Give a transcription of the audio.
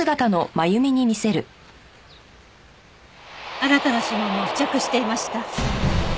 あなたの指紋も付着していました。